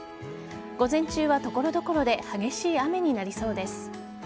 午前中は所々で激しい雨になりそうです。